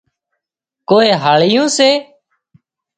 ڪوئي هاۯيون سي